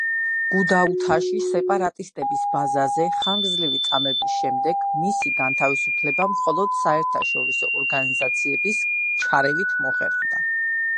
გუდაუთაში სეპარატისტების ბაზაზე ხანგრძლივი წამების შემდეგ მისი განთავისუფლება მხოლოდ საერთაშორისო ორგანიზაციების ჩარევით მოხერხდა.